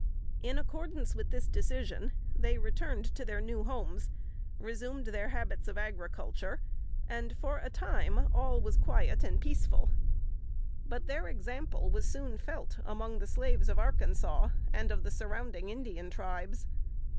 In accordance with this decision, they returned to their new homes, resumed their habits of agriculture, and for a time all was quiet and peaceful; but their example was soon felt among the slaves of Arkansas, and of the surrounding Indian tribes.